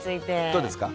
どうですか？